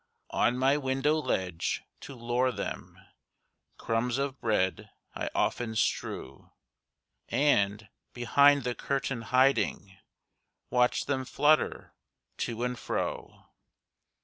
On my window ledge, to lure them, Crumbs of bread I often strew, And, behind the curtain hiding, Watch them flutter to and fro.